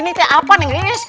ini teh apa neng lilis